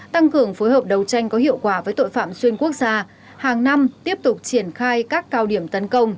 tăng cường phối hợp đấu tranh có hiệu quả với tội phạm xuyên quốc gia hàng năm tiếp tục triển khai các cao điểm tấn công